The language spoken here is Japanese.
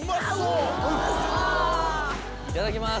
いただきます！